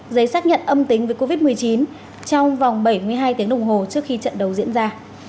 giấy xác nhận âm tính với covid một mươi chín trong vòng bảy mươi hai tiếng đồng hồ trước khi trận đấu diễn ra